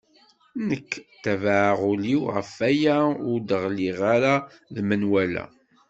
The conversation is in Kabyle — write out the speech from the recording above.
Nekk tabaɛeɣ ul-iw ɣef waya ur d-ɣliɣ ara d menwala.